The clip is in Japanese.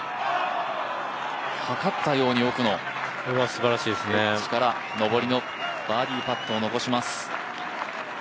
はかったように、奥のエッジから上りのバーディーパットを残します。